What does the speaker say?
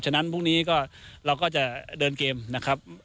ฉะนั้นพรุ่งนี้ก็เราก็จะเดินเกมนะครับ